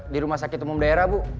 di rumah sakit umum daerah bu